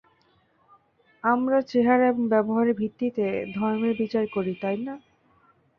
আমরা চেহারা এবং ব্যবহারের ভিত্তিতে, ধর্মের বিচার করি, তাই না?